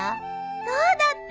どうだった？